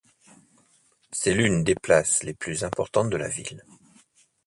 C'est l'une des places les plus importantes de la ville.